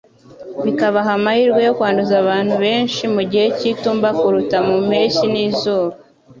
bikabaha amahirwe yo kwanduza abantu benshi mu gihe cy'itumba kuruta mu mpeshyi n'izuba